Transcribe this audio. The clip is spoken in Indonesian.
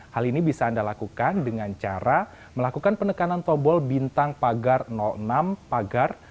hal ini bisa anda lakukan dengan cara melakukan penekanan tombol bintang pagar enam pagar